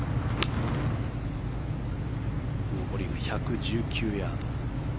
残りが１１９ヤード。